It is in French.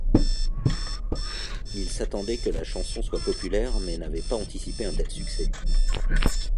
Il s'attendait que la chanson soit populaire mais n'avait pas anticipé un tel succès.